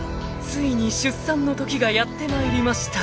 ［ついに出産の時がやってまいりました］